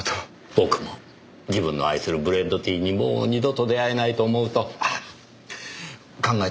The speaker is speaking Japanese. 僕も自分の愛するブレンドティーにもう二度と出会えないと思うとああ考えたくもありません。